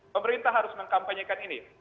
pemerintah harus mengkampanyekan ini